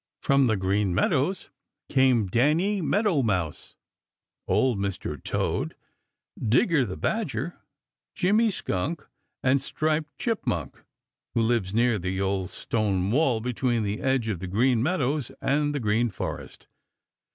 From the Green Meadows came Danny Meadow Mouse, Old Mr. Toad, Digger the Badger, Jimmy Skunk, and Striped Chipmunk, who lives near the old stone wall between the edge of the Green Meadows and the Green Forest.